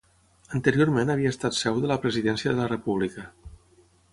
Anteriorment havia estat seu de la presidència de la República.